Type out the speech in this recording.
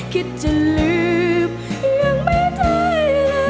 คิดจะลืมยังไม่ได้เลย